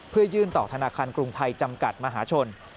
เพื่อยื่นต่อธนาคารกรุงไทยจำกัดมหาชน